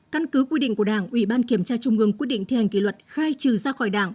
căn cứ quy định của đảng ủy ban kiểm tra trung ương quy định thi hành kỷ luật khai trừ ra khỏi đảng